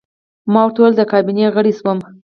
ما ورته وویل: د کابینې غړی شوم.